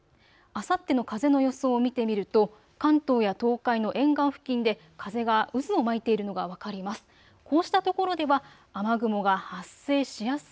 あさっての風の予想を見てみると関東や東海の沿岸付近で風が渦を巻いているのが分かります。